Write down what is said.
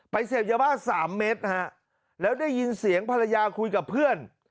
เสพยาบ้า๓เม็ดนะฮะแล้วได้ยินเสียงภรรยาคุยกับเพื่อน